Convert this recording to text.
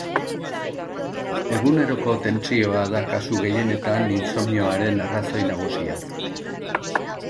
Eguneroko tentsioa da kasu gehienetan insomnioaren arrazoi nagusia.